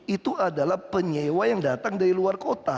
itu adalah penyewa yang datang dari luar kota